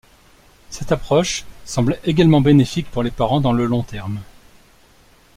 Cette approche semble également bénéfique pour les parents dans le long terme.